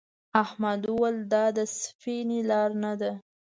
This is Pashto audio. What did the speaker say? احمد وویل دا د سفینې لار نه ده.